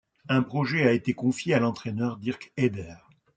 Un projet a été confié à l'entraîneur Dirk Heyder.